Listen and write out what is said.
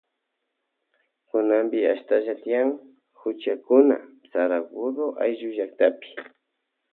Kunapi ashtalla tiyan huchakuna Saraguroayllu llaktapi.